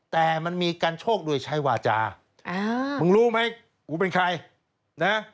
แต่มันมีการโชคโดยใช้วาจามึงรู้ไหมกูเป็นใครนะ